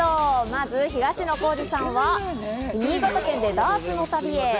まず東野幸治さんは新潟県でダーツの旅へ。